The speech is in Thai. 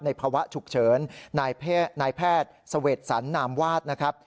ในภาวะฉุกเฉินนายแพทย์สเวชสันนามวาส